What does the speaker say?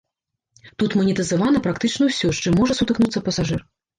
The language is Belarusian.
Тут манетызавана практычна ўсё, з чым можа сутыкнуцца пасажыр.